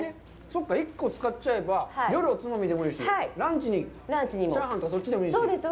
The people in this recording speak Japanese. そっか、１個、作っちゃえば夜はおつまみでもいいし、ランチにチャーハンでもいいし。